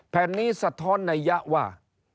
แผ่นนี้สะท้อนนัยยะว่า